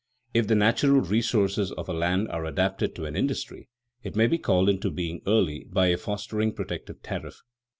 If the natural resources of a land are adapted to an industry, it may be called into being early by a fostering protective tariff.